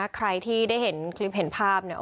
ใครที่ได้เห็นคลิปเห็นภาพเนี่ย